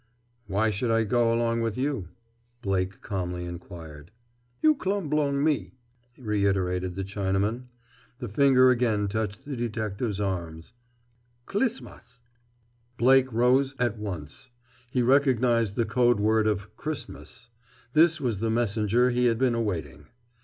"Why should I go along with you?" Blake calmly inquired. "You clum b'long me," reiterated the Chinaman. The finger again touched the detective's arm. "Clismas!" Blake rose, at once. He recognized the code word of "Christmas." This was the messenger he had been awaiting.